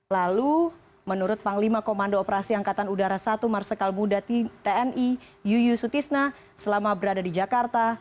lalu menurut panglima komando operasi angkatan udara satu marsikal muda tni yuyusutisna selama berada di jakarta